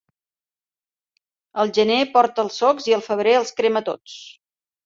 El gener porta els socs i el febrer els crema tots.